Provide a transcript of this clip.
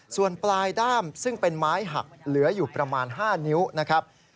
ส่วนปลายด้ามซึ่งเป็นไม้หักเหลืออยู่ประมาณ๕นิ้วนะครับ